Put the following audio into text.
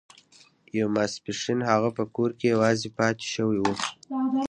یو ماسپښین هغه په کور کې یوازې پاتې شوی و